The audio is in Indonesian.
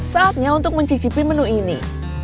saatnya untuk mencicipi menu ini